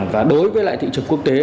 và đối với lại thị trường quốc tế